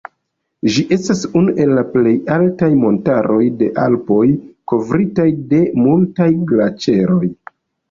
Ĝi estas unu el la plej altaj montaroj de Alpoj, kovritaj de multaj glaĉeroj.